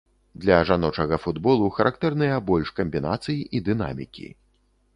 Для жаночага футболу характэрныя больш камбінацый і дынамікі.